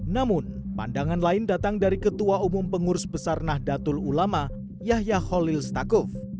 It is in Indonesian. namun pandangan lain datang dari ketua umum pengurus besar nahdlatul ulama yahya holil stakuf